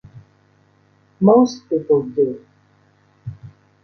Most people do.